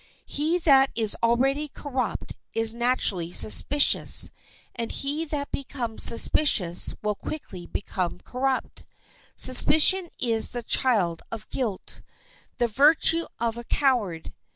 He that is already corrupt is naturally suspicious, and he that becomes suspicious will quickly become corrupt. Suspicion is the child of guilt, the virtue of a coward.